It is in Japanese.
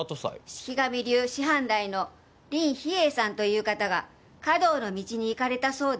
四鬼神流師範代の林秘影さんという方が華道の道に行かれたそうで。